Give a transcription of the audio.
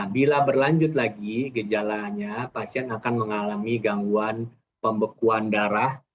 bila berlanjut lagi gejalanya pasien akan mengalami gangguan pembekuan darah